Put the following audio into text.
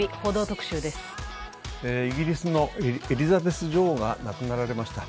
イギリスのエリザベス女王が亡くなられました。